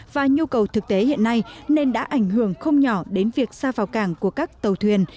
và nhu cầu thực tế hiện nay nên đã ảnh hưởng không nhỏ đến việc xa vào cảng của các tàu thuyền